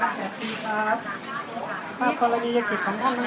ไม่เป็นไรค่ะเดินไปแล้วเดินไปเลย